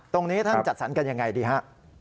ตรงนี้ท่านจัดสรรกันยังไงดีฮะ